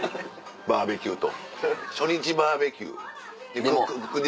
バーベキューと。